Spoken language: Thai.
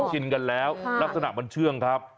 ชินกันแล้วลักษณะมันเชื่องครับ